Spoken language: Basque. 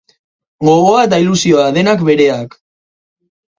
Gogoa eta ilusioa, denak bereak.